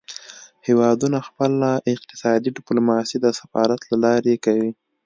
هیوادونه خپله اقتصادي ډیپلوماسي د سفارت له لارې کوي